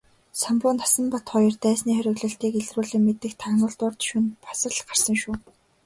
Самбуу Насанбат хоёр дайсны хориглолтыг илрүүлэн мэдэх тагнуулд урьд шөнө бас л гарсан шүү.